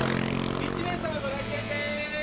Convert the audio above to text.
１名さまご来店です！